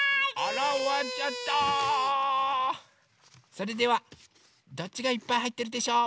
それではどっちがいっぱいはいってるでしょう？